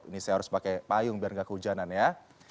ini saya harus pakai payung biar nggak kehujanan ya